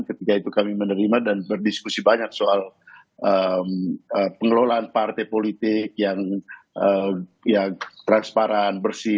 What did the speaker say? ketika itu kami menerima dan berdiskusi banyak soal pengelolaan partai politik yang transparan bersih